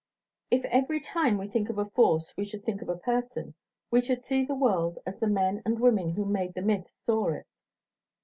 If every time we think of a force we should think of a person, we should see the world as the men and women who made the myths saw it.